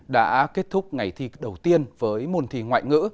đã kết thúc ngày thi đầu tiên với môn thi ngoại ngữ